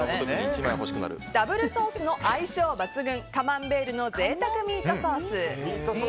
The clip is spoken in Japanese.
ダブルソースの相性抜群カマンベールの贅沢ミートソース。